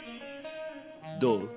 どう？